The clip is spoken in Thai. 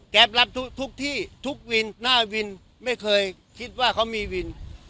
รับทุกที่ทุกวินหน้าวินไม่เคยคิดว่าเขามีวิน